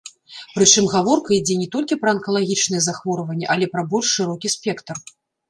Прычым гаворка ідзе не толькі пра анкалагічныя захворванні, але пра больш шырокі спектр.